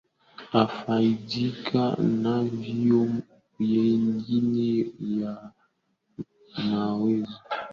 afaidika navyo wengine wanaweza kulima hata mboga za majani